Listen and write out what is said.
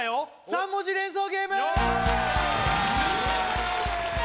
３文字連想ゲーム